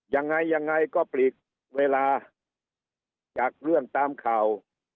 ยังไงยังไงก็ปลีกเวลาจากเรื่องตามข่าว